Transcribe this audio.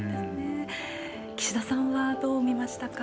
岸田さんはどう見ましたか？